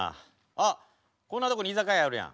あっこんなとこに居酒屋あるやん。